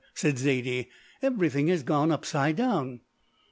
said Zaidie. "Everything has gone upside down."